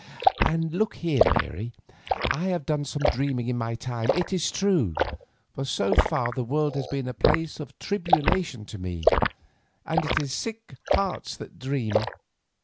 And look here, Mary, I have done some dreaming in my time, it is true, for so far the world has been a place of tribulation to me, and it is sick hearts that dream.